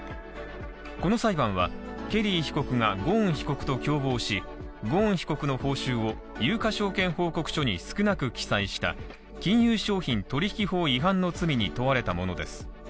この裁判は、ケリー被告が、ゴーン被告と共謀し、ゴーン被告の報酬を有価証券報告書に少なく記載した金融商品取引法違反の罪に問われたものです。